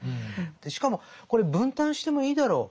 しかもこれ分担してもいいだろう。